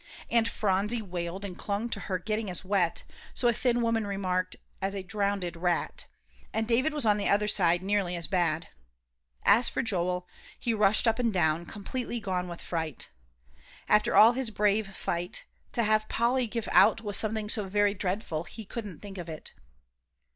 And Phronsie wailed and clung to her, getting as wet, so a thin woman remarked, "as a drownded rat," and David was on the other side, nearly as bad. As for Joel, he rushed up and down, completely gone with fright. After all his brave fight, to have Polly give out was something so very dreadful he couldn't think of it.